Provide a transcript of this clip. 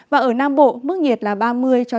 và ở nam bộ mức nhiệt là ba mươi ba mươi hai độ